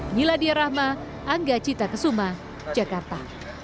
miladia rahma angga cita kesuma jakarta